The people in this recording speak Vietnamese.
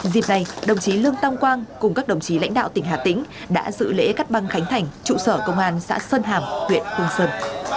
dịp này đồng chí lương tam quang cùng các đồng chí lãnh đạo tỉnh hà tĩnh đã dự lễ cắt băng khánh thành trụ sở công an xã sơn hàm huyện hương sơn